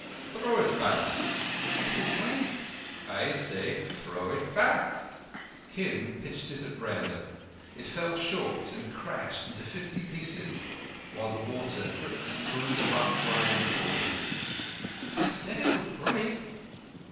"Throw it back." "It will break." "I say, throw it back." Kim pitched it at random. It fell short and crashed into fifty pieces, while the water dripped through the rough veranda boarding. "I said it would break."